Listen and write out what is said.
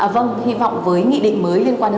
vâng hy vọng với nghị định mới liên quan